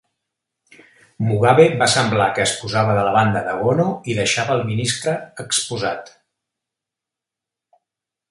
Mugabe va semblar que es posava de la banda de Gono i deixava el ministre exposat.